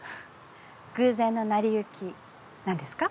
偶然の成り行きなんですか？